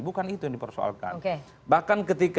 bukan itu yang dipersoalkan bahkan ketika